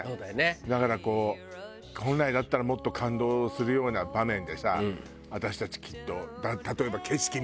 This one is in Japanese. だからこう本来だったらもっと感動するような場面でさ私たちきっと。